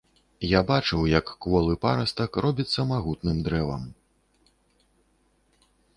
Я бачыў, як кволы парастак робіцца магутным дрэвам.